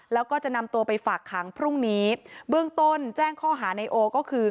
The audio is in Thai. แล้วก็จะนำตัวไปฝากขังพรุ่งนี้เบื้องต้นแจ้งข้อหาในโอก็คือ